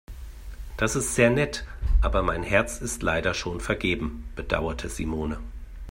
Das ist sehr nett, aber mein Herz ist leider schon vergeben, bedauerte Simone.